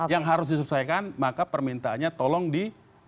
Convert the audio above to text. yang harus diselesaikan maka permintaannya tolong di